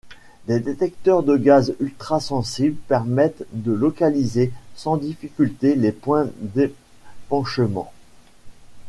Des détecteurs de gaz ultra sensibles permettent de localiser sans difficulté les points d'épanchement.